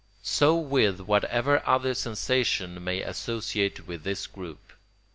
So with whatever other sensations time may associate with this group.